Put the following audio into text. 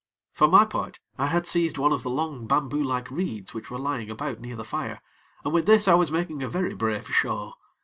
For my part, I had seized one of the long bamboo like reeds which were lying about near the fire, and with this I was making a very brave show.